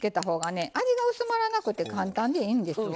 味が薄まらなくて簡単でいいんですわ。